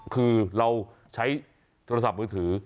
คือเราใช้โทรศัพท์มือถือ